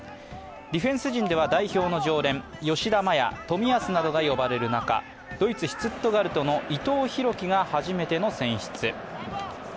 ディフェンス陣では代表の常連、吉田麻也、冨安などが呼ばれる中、ドイツ・シュツットガルトの伊東拓輝が初めての選出。